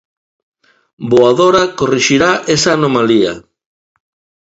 Voadora corrixirá esa anomalía.